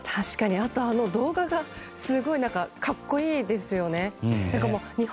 あと動画がすごい格好いいですよね。